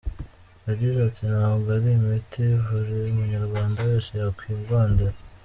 Yagize ati “Ntabwo ari imiti buri munyarwanda wese yakwigondera.